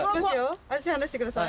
足離してください。